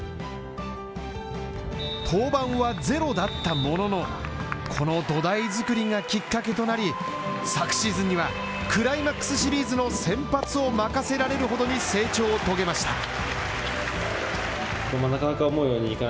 登板はゼロだったものの、この土台作りがきっかけとなり、昨シーズンには、クライマックスシリーズの先発を任せられるほどに成長を遂げました。